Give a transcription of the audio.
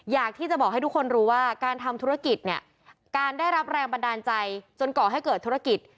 อยากที่จะบอกให้ทุกคนรู้ว่าการทำธุรกิจเนี่ยการได้รับแรงบันดาลใจจนก่อให้เกิดธุรกิจ